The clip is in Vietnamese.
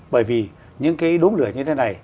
bởi vì những cái đốm lửa như thế này